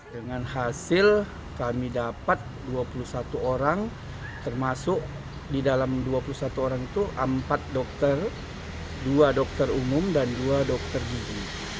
dengan hasil kami dapat dua puluh satu orang termasuk di dalam dua puluh satu orang itu empat dokter dua dokter umum dan dua dokter gigi